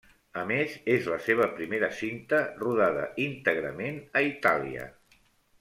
A més, és la seva primera cinta rodada íntegrament a Itàlia.